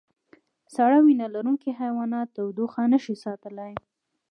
سړه وینه لرونکي حیوانات تودوخه نشي ساتلی